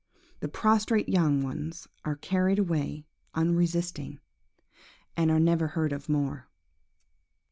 The prostrate young ones are carried away unresisting, and are never heard of more.